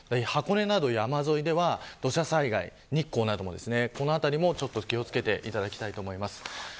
箱根など山沿いでは土砂災害、日光なども気を付けていただきたいと思います。